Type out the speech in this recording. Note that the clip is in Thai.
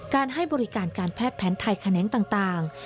ให้บริการการแพทย์แผนไทยแขนงต่าง